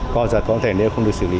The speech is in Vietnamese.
co giật có thể nếu không được xử lý